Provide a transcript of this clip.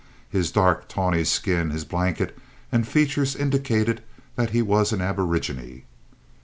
His dark, tawny skin, his blanket and features indicated that he was an aborigine.